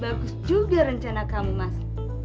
bagus juga rencana kamu mas